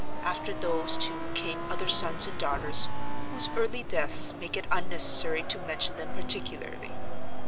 After those two came other sons and daughters, whose early deaths make it unnecessary to mention them particularly.